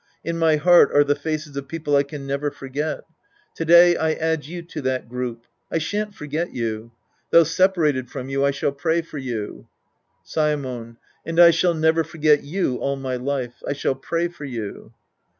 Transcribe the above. In my heart are the faces of people I can never forget. To day I add you to that group. I shan't forget you. Though separated from you, I shall pray for you. Saemon. And I shall never forget you all my life. I shall pray for you.